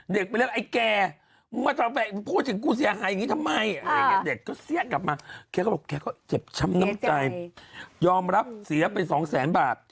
เด็กไปเรียกว่าไอ้แก่